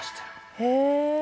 へえ。